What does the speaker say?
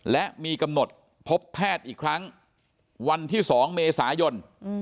และมีกำหนดพบแพทย์อีกครั้งวันที่๒เมษายน